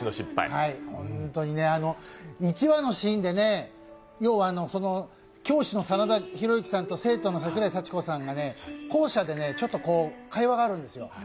本当に１話のシーンで、要は教師の真田広之さんと生徒の桜井幸子さんが校舎でちょっと会話があるんですよ。